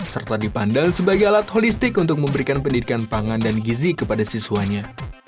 serta dipandang sebagai alat holistik untuk memberikan pendidikan pangan dan gizi kepada siswanya